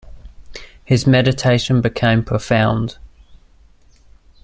His meditation became profound.